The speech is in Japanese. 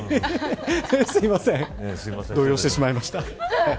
すいません動揺してしまいました。